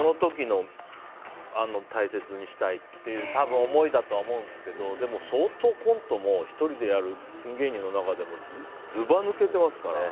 大切にしたいという思いだとは思うんですけど相当、コントも１人でやっててピン芸人の中でもずば抜けてますから。